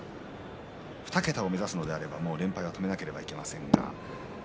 ２桁を目指すのであればもう連敗を止めなければいけません。